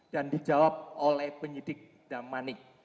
dan dijawab oleh penyidik damra manik